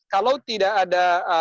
kalau tidak ada